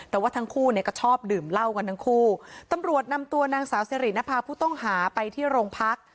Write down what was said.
แต่ว่าทั้งคู่เนี่ยก็ชอบดื่มเหล้ากันทั้งคู่ตำรวจนำตัวนางสาวสิรินภาพผู้ต้องหาไปที่โรงพัก